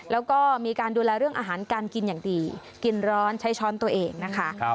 แล้วก็มีการดูแลเรื่องอาหารการกินอย่างดีกินร้อนใช้ช้อนตัวเองนะคะ